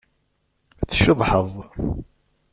Tceḍḥeḍ.